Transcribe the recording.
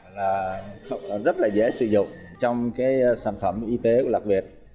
là rất là dễ sử dụng trong cái sản phẩm y tế của lạc việt